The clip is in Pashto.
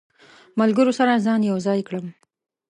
ملګرو سره ځان یو ځای کړم.